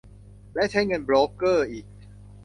และใช้เงินโบรกเกอร์อีก